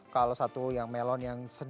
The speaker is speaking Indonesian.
kalau satu yang melon yang